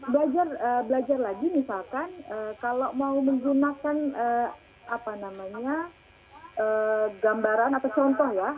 belajar lagi misalkan kalau mau menggunakan apa namanya gambaran atau contoh ya